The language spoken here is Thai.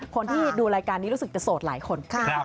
คนที่ดูรายการนี้รู้สึกจะโสดหลายคน